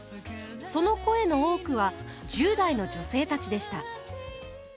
その声の多くは１０代の女性たちでした。